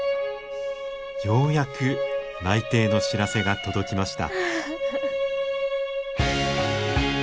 ようやく内定の知らせが届きました。